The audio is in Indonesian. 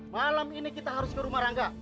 malam ini kita harus ke rumah rangga